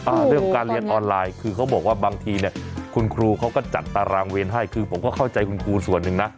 เรื่องของการเรียนออนไลน์คือเขาบอกว่าบางทีเนี่ยคุณครูเขาก็จัดตารางเวรให้คือผมก็เข้าใจคุณครูส่วนหนึ่งนะ